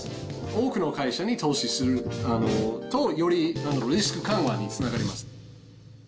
多くの会社に投資するとよりリスク緩和につながります。